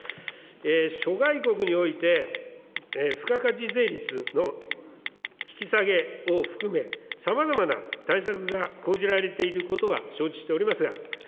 諸外国において、付加価値税率の引き下げを含め、さまざまな対策が講じられていることは承知しておりますが、